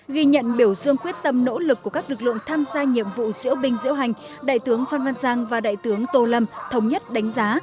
ghi nhận biểu dương quyết tâm nỗ lực của các lực lượng tham gia nhiệm vụ diễu binh diễu hành đại tướng phan văn giang và đại tướng tô lâm thống nhất đánh giá